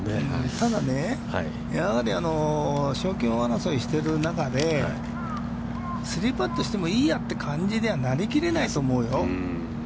ただね、やはり賞金王争いをしている中で、３パットしてもいいやって感じにはなりきれないと思うよ。